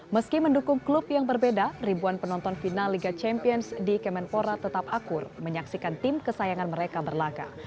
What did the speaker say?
meski mendukung klub yang berbeda ribuan penonton final liga champions di kemenpora tetap akur menyaksikan tim kesayangan mereka berlaga